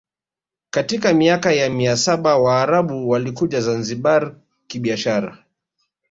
Katika miaka ya mia saba Waarabu walikuja Zanzibar kibiashara